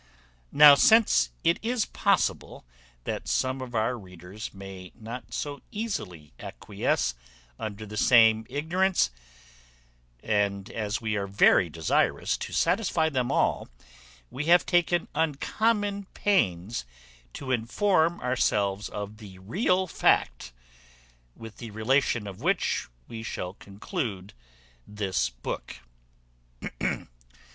Now since it is possible that some of our readers may not so easily acquiesce under the same ignorance, and as we are very desirous to satisfy them all, we have taken uncommon pains to inform ourselves of the real fact, with the relation of which we shall conclude this book.